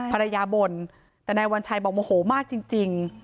ภรรยาบ่นแต่นายวัญชัยบอกโมโหมากจริง